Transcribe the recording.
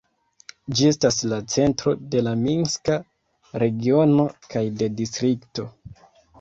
Ĝi estas la centro de la minska regiono kaj de distrikto.